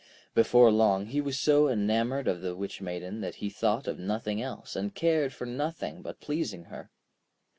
Before long, he was so enamoured of the Witch Maiden that he thought of nothing else, and cared for nothing but pleasing her.